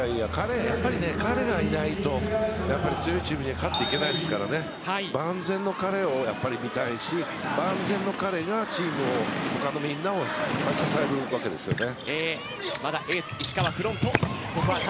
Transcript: やっぱり彼がいないと強いチームに勝っていけないですから万全の彼を見たいし万全の彼がチーム、他のみんなを支えるわけですよね。